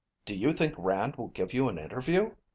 "Do you think Rand will give you an interview?"